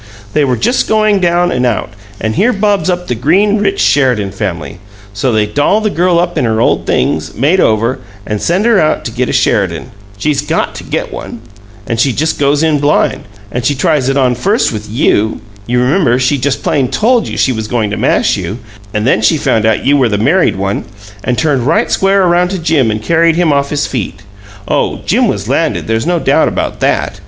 They were just going down and out, and here bobs up the green, rich Sheridan family! So they doll the girl up in her old things, made over, and send her out to get a Sheridan she's GOT to get one! And she just goes in blind; and she tries it on first with YOU. You remember, she just plain TOLD you she was going to mash you, and then she found out you were the married one, and turned right square around to Jim and carried him off his feet. Oh, Jim was landed there's no doubt about THAT!